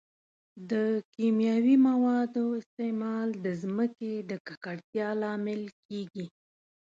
د کیمیاوي موادو استعمال د ځمکې د ککړتیا لامل کیږي.